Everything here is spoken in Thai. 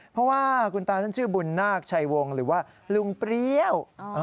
เพราะว่าคุณตาท่านชื่อบุญนาคชัยวงศ์หรือว่าลุงเปรี้ยว